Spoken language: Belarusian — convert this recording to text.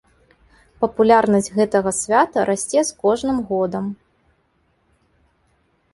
Папулярнасць гэтага свята расце з кожным годам.